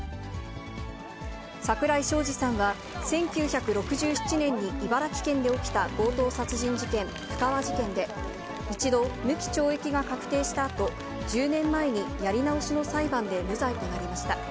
桜井昌司さんは、１９６７年に茨城県で起きた強盗殺人事件、布川事件で、一度、無期懲役が確定したあと、１０年前にやり直しの裁判で無罪となりました。